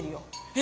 え